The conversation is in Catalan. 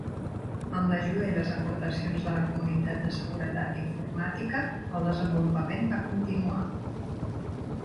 Amb l'ajuda i les aportacions de la comunitat de seguretat informàtica, el desenvolupament va continuar.